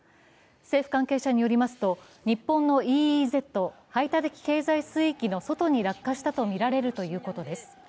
政府関係者によりますと日本のＥＥＺ＝排他的経済水域の外に落下したとみられるということです。